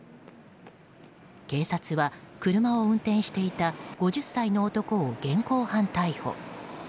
警察は車を運転していた５０歳の男を現行犯逮捕。